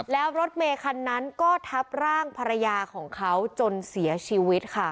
แล้วรถเมคันนั้นก็ทับร่างภรรยาของเขาจนเสียชีวิตค่ะ